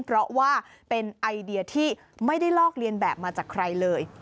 เพราะว่าเป็นไอเดียที่ไม่ได้ลอกเลียนแบบมาจากใครเลย